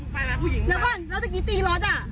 แล้วก็แล้วจะกี่ปีรถอ่ะ